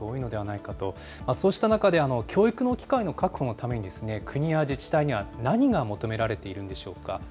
そうした中で、教育の機会の確保のために、国や自治体には何が求められているんでしょうか。